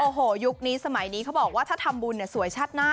โอ้โหยุคนี้สมัยนี้เขาบอกว่าถ้าทำบุญสวยชาติหน้า